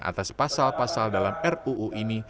atas pasal pasal dalam ruu ini